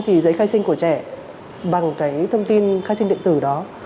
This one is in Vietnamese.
thì giấy khai sinh của trẻ bằng cái thông tin khai sinh điện tử đó